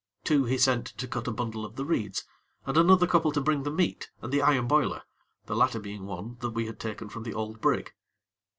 Two he sent to cut a bundle of the reeds, and another couple to bring the meat and the iron boiler, the latter being one that we had taken from the old brig.